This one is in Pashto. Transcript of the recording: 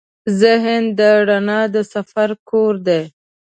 ذهن د رڼا د سفر کور دی.